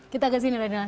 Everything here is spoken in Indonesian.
kita kesini radinal